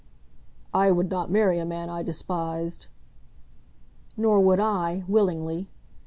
"I would not marry a man I despised." "Nor would I, willingly.